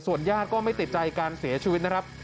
ญาติก็ไม่ติดใจการเสียชีวิตนะครับ